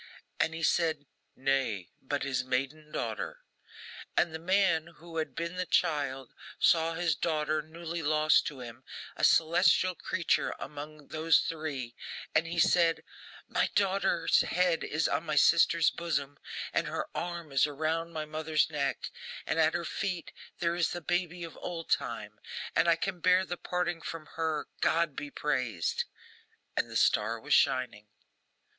And he said, 'Nay, but his maiden daughter.' And the man who had been the child saw his daughter, newly lost to him, a celestial creature among those three, and he said, 'My daughter's head is on my sister's bosom, and her arm is around my mother's neck, and at her feet there is the baby of old time, and I can bear the parting from her, GOD be praised!' And the star was shining.